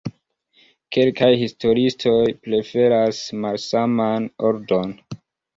Kelkaj historiistoj preferas malsaman ordon.